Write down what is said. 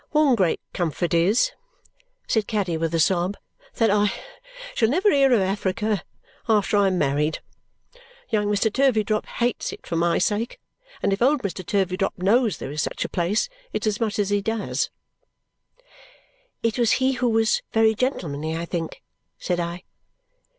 One great comfort is," said Caddy with a sob, "that I shall never hear of Africa after I am married. Young Mr. Turveydrop hates it for my sake, and if old Mr. Turveydrop knows there is such a place, it's as much as he does." "It was he who was very gentlemanly, I think!" said I.